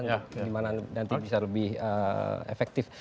bagaimana nanti bisa lebih efektif